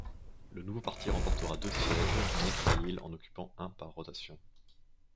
Le nouveau parti remporta deux sièges, Meir Pa'il en occupant un par rotation.